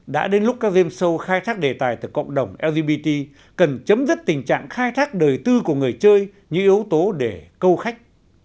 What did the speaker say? đã đến lúc các game show khai thác đề tài từ cộng đồng lgbt cần chấm dứt tình trạng khai thác đời tư của người chơi như yếu tố để câu khách